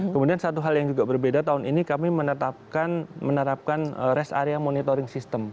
kemudian satu hal yang juga berbeda tahun ini kami menetapkan res area monitoring system